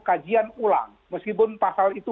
kajian ulang meskipun pasal itu